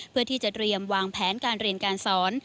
เพื่อที่จะเตรียมวางแผนการเรียนการสอน